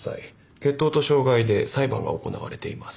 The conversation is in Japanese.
決闘と傷害で裁判が行われています。